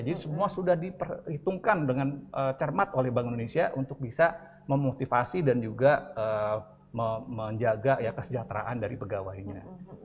jadi semua sudah diperhitungkan dengan cermat oleh bank indonesia untuk bisa memotivasi dan juga menjaga kesejahteraan dari pegawainya